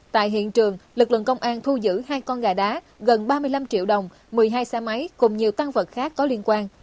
tại hiện trường lực lượng công an thu giữ hai con gà đá gần ba mươi năm triệu đồng một mươi hai xe máy cùng nhiều tăng vật khác có liên quan